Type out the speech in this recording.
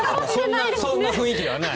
そんな雰囲気ではない。